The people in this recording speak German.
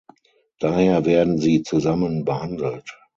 Daher werden sie zusammen behandelt.